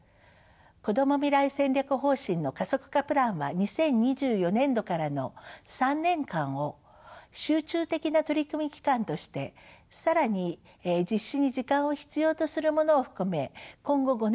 こども未来戦略方針の加速化プランは２０２４年度からの３年間を集中的な取り組み期間として更に実施に時間を必要とするものを含め今後５年間の計画で進んでいきます。